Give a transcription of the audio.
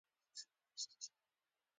دا اندېښنې په داسې حال کې دي